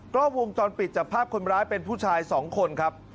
กล้องวงจรปิดจับภาพคนร้ายเป็นผู้ชาย๒คนครับ